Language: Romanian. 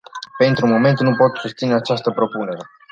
Pentru moment, nu pot susține această propunere.